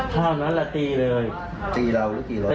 ใช่ค่ะ